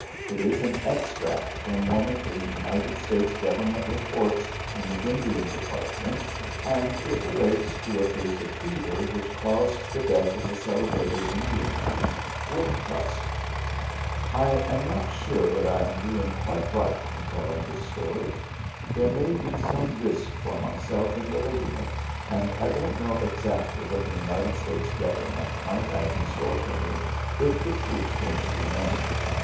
It is an extract from one of the United States Government Reports in the Indian department, and it relates to a case of fever, which caused the death of the celebrated Indian chief Wolf Tusk. "I am not sure that I am doing quite right in telling this story. There may be some risk for myself in relating it, and I don't know exactly what the United States Government might have in store for me if the truth came to be known.